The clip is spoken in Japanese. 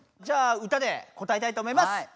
じゃあ歌でこたえたいと思います！